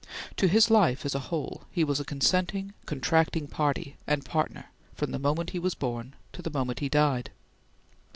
To his life as a whole he was a consenting, contracting party and partner from the moment he was born to the moment he died.